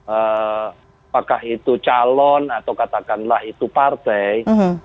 apakah itu calon atau katakanlah itu partai